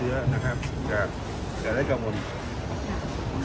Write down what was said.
เพื่อความปลอดภัยที่เงียบรัฐบาลแล้วก็ได้ทำความสุดเรียบร้อยแล้วนะครับ